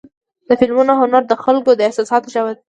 د فلمونو هنر د خلکو د احساساتو ژبه ده.